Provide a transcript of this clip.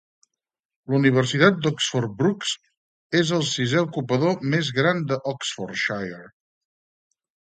La Universitat d'Oxford Brookes és el sisè ocupador més gran d'Oxfordshire.